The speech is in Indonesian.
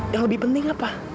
yang lebih penting apa